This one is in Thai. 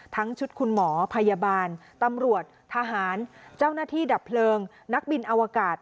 ทั้งชุดคุณหมอพยาบาลตำรวจทหารเจ้าหน้าที่ดับเพลิงนักบินอวกาศ